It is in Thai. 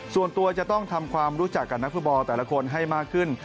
ส่วนตัวจะต้องทำความรู้จักกับนักฟุตบอลแต่ละคนให้มากขึ้น